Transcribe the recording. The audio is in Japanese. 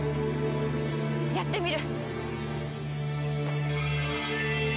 やってみる！